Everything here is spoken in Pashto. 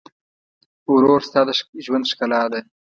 ورور ستا د ژوند ښکلا ده.